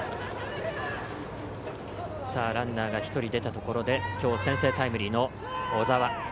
ランナーが１人出たところできょう、先制タイムリーの小澤。